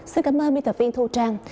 xin cảm ơn minh thập viên thu trang